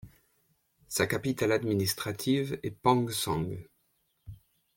Sa capitale administrative est Panghsang.